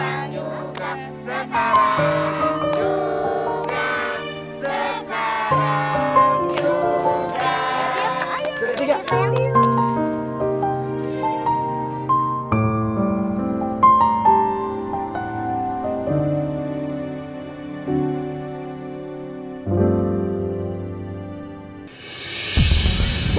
baik lagi karena ini giliran pertama